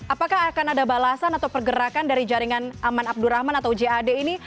apakah akan ada balasan atau pergerakan dari jaringan aman abdurrahman atau jad ini